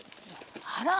あら。